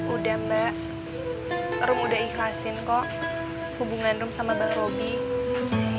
udah mbak rom udah ikhlasin kok hubungan rom sama bang robby